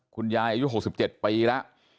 คุณยายอายุ๖๗ปีแล้ว